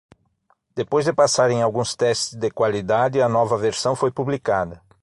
Depois de passar em alguns testes de qualidade, a nova versão foi publicada.